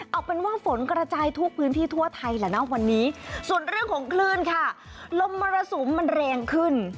เอาเป็นว่าฝนกระจายทุกพื้นที่ทั่วไทยส่วนเรื่องของคลื่นลมระสุมแรงขึ้น